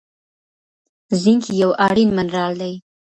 زینک یو اړین منرال دی.